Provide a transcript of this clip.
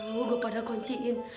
syukurin lu gua pada kunciin